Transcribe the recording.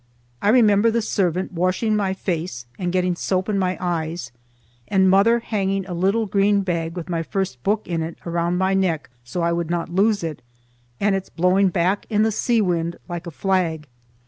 I remember the servant washing my face and getting soap in my eyes, and mother hanging a little green bag with my first book in it around my neck so I would not lose it, and its blowing back in the sea wind like a flag.